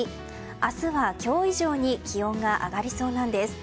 明日は今日以上に気温が上がりそうなんです。